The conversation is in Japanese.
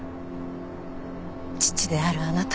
父であるあなたと。